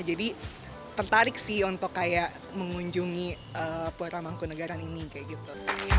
jadi tertarik sih untuk kayak mengunjungi pura mangkunegaran ini kayak gitu